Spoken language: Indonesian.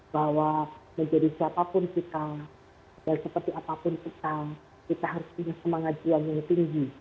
bahwa menjadi siapapun kita dan seperti apapun kita kita harus punya semangat juang yang tinggi